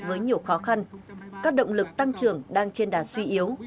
với nhiều khó khăn các động lực tăng trưởng đang trên đà suy yếu